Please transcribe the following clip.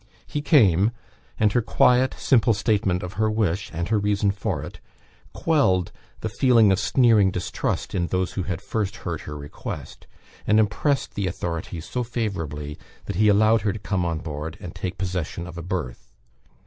He came, and her quiet simple statement of her wish, and her reason for it, quelled the feeling of sneering distrust in those who had first heard her request; and impressed the authority so favourably that he allowed her to come on board, and take possession of a berth.